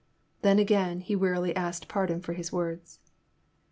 Then, again, he wearily asked pardon for his words.